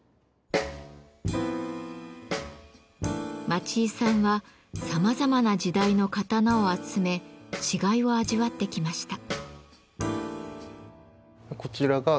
町井さんはさまざまな時代の刀を集め違いを味わってきました。